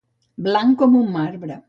Blanc com un marbre.